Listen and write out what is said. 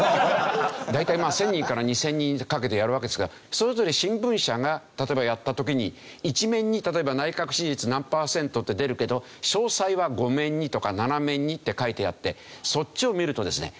大体１０００人から２０００人かけてやるわけですからそれぞれ新聞社が例えばやった時に１面に例えば「内閣支持率何パーセント」って出るけど「詳細は５面に」とか「７面に」って書いてあってそっちを見るとですね